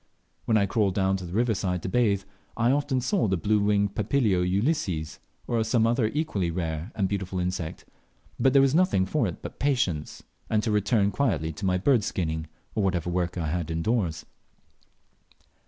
When I crawled down to the river side to bathe, I often saw the blue winged Papilio ulysses, or some other equally rare and beautiful insect; but there was nothing for it but patience, and to return quietly to my bird skinning, or whatever other work I had indoors.